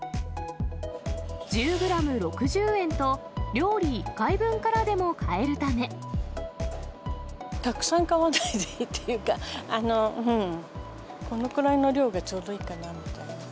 １０グラム６０円と、たくさん買わないでいいっていうか、このくらいの量がちょうどいいかなみたいな。